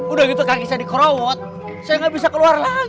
udah gitu kaki saya dikerawat saya gak bisa keluar lagi